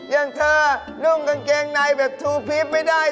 อย่างเธอนุ่งกางเกงในแบบทูพีฟไม่ได้